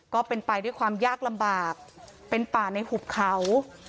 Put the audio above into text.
ก็เป็นไปด้วยความยากลำบากเป็นป่าในหุบเขา